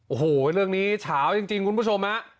โอ้โหเรื่องนี้เฉาจริงคุณผู้ชมฮะ